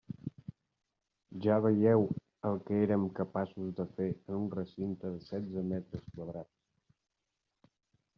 Ja veieu el que érem capaços de fer en un recinte de setze metres quadrats.